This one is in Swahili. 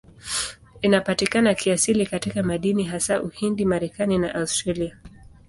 Inapatikana kiasili katika madini, hasa Uhindi, Marekani na Australia.